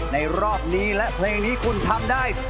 ในรอบนี้และเพลงนี้คุณทำได้